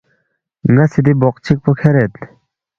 ن٘ا سی دی بوق چِک پو کھیرید